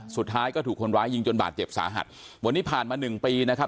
สุดท้ายก็ถูกคนร้ายยิงจนบาดเจ็บสาหัสวันนี้ผ่านมาหนึ่งปีนะครับ